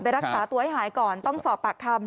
รักษาตัวให้หายก่อนต้องสอบปากคำ